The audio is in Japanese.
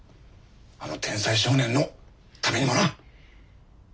あの天才少年のためにもな。